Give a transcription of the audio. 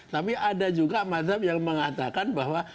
tapi ada juga mazhab yang mengatakan bahwa